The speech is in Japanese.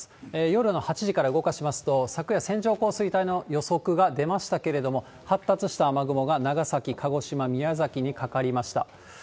夜の８時から動かしますと、昨夜、線状降水帯の予測が出ましたけれども、発達した雨雲が長崎、鹿児島、宮崎にかかりました。